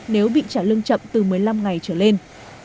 nếu bị trả lương chậm từ một mươi năm ngày trở lên